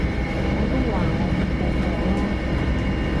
我都話我唔肚餓咯